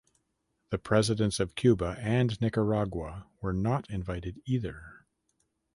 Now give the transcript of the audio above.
The presidents of Cuba and Nicaragua were not invited either.